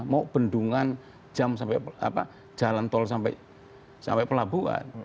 mau bendungan jalan tol sampai pelabuhan